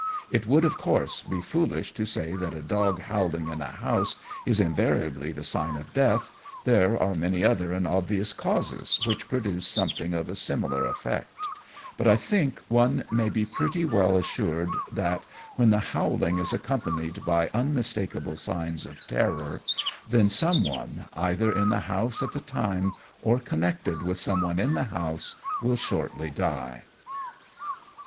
It would, of course, be foolish to say that a dog howling in a house is invariably the sign of death; there are many other and obvious causes which produce something of a similar effect; but I think one may be pretty well assured that, when the howling is accompanied by unmistakable signs of terror, then someone, either in the house at the time, or connected with someone in the house, will shortly die.